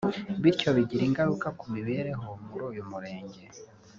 bityo bigira ingaruka ku mibereho muri uyu murenge